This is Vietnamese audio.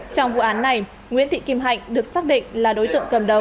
trong vụ án này nguyễn thị kim hạnh được xác định là đối tượng cầm đầu